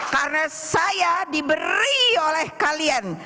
karena saya diberi oleh kalian